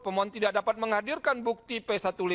pemohon tidak dapat menghadirkan bukti p satu ratus lima puluh